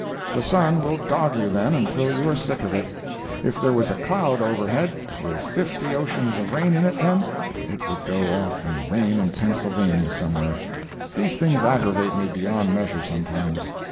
The sun will dog you then until you are sick of it. If there was a cloud overhead with fifty oceans of rain in it, then, it would go off and rain in Pennsylvania somewhere. These things aggravate me beyond measure, sometimes.